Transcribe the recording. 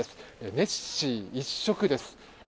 ネッシー一色です。